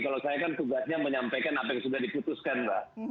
kalau saya kan tugasnya menyampaikan apa yang sudah diputuskan mbak